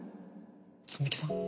摘木さん？